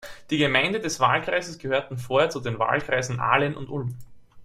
Die Gemeinden des Wahlkreises gehörten vorher zu den Wahlkreisen Aalen und Ulm.